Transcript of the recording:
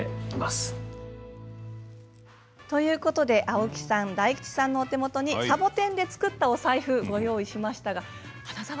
青木さん、大吉さんのお手元にサボテンで作ったお財布をご用意しました。